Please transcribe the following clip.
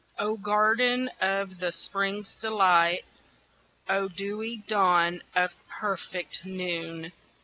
Oh, garden of the Spring's delight! Oh, dewy dawn of perfect noon!